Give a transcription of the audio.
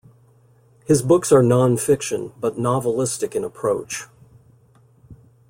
His books are non-fiction, but novelistic in approach.